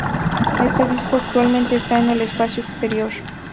Este disco actualmente está en el espacio exterior.